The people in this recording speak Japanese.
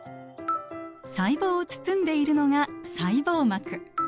細胞を包んでいるのが細胞膜。